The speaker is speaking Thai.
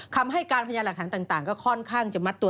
คำให้การพยาหลักฐานต่างก็ค่อนข้างจะมัดตัว